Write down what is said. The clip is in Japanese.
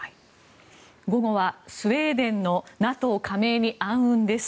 午後はスウェーデンのＮＡＴＯ加盟に暗雲です。